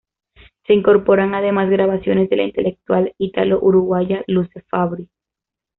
Se incorporan además grabaciones de la intelectual ítalo-uruguaya Luce Fabbri.